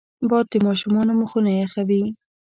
باد د ماشومانو مخونه یخوي